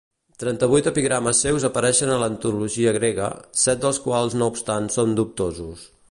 Trenta-vuit epigrames seus apareixen a l'antologia grega, set dels quals no obstant són dubtosos.